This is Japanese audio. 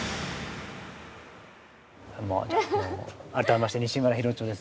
改めまして西村ヒロチョです。